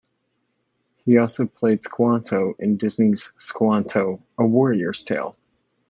He also played Squanto in Disney's Squanto, a Warrior's Tale.